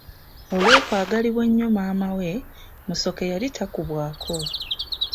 Olw’okwagalibwa ennyo maama we, Musoke yali takubwako.